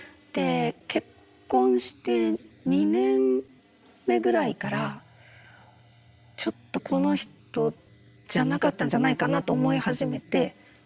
結婚して２年目ぐらいからちょっとこの人じゃなかったんじゃないかなと思い始めて。